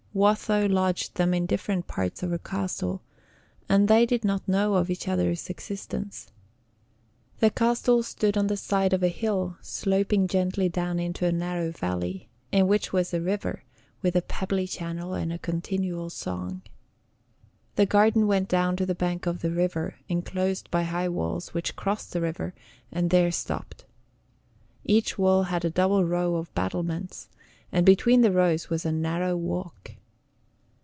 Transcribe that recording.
Watho lodged them in different parts of her castle, and they did not know of each other's existence. The castle stood on the side of a hill sloping gently down into a narrow valley, in which was a river, with a pebbly channel and a continual song. The garden went down to the bank of the river, inclosed by high walls, which crossed the river, and there stopped. Each wall had a double row of battlements, and between the rows was a narrow walk.